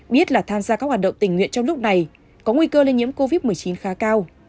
biết là tham gia các hoạt động tình nguyện trong lúc này có nguy cơ lây nhiễm covid một mươi chín khá cao